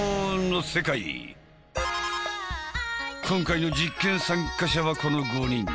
今回の実験参加者はこの５人。